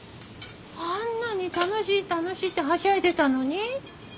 あんなに楽しい楽しいってはしゃいでたのに。